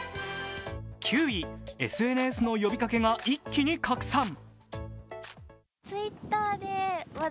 ９位、ＳＮＳの呼びかけが一気に拡散。